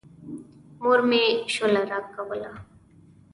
مور مې شوله راکوله.